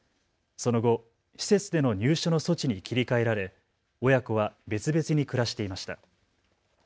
その後、施設での入所の措置に切り替えられ親子は別々に暮らしていました。